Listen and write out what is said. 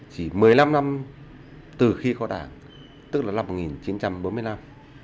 chỉ một mươi năm năm từ khi có đảng tức là năm một nghìn chín trăm bốn mươi năm